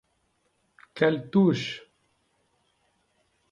Quelle touche !